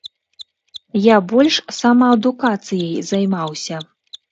Я больш самаадукацыяй займаўся.